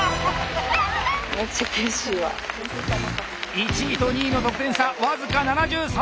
１位と２位の得点差僅か７３ポイント！